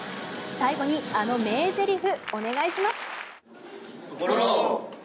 最後に、あの名ゼリフお願いします。